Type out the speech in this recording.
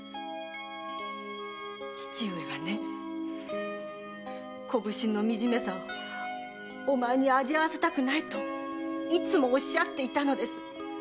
父上はね小普請の惨めさをお前に味わわせたくないといつもおっしゃっていたのです。